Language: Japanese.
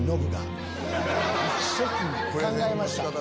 考えました。